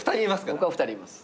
僕は２人います。